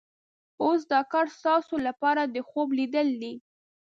اوس دا کار ستاسو لپاره د خوب لیدل دي.